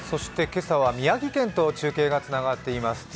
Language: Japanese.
今朝は宮城県と中継がつながっています。